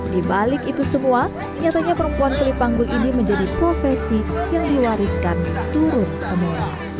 di balik itu semua nyatanya perempuan kulipanggul ini menjadi profesi yang diwariskan turun temurun